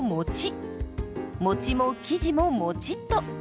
もちも生地ももちっと。